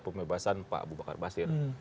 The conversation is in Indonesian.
pembebasan pak abu bakar basir